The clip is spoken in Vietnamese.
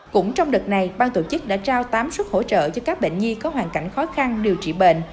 cũng trong đợt này ban tổ chức đã trao tám suất hỗ trợ cho các bệnh nhi có hoàn cảnh khó khăn điều trị bệnh